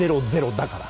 ０−０だから。